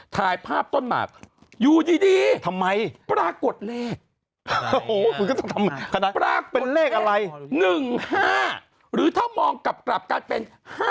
ถ่ายภาพต้นหมากอยู่ดีทำไมปรากฏเลขปรากฏเป็นเลขอะไร๑๕หรือถ้ามองกลับกลายเป็น๕๗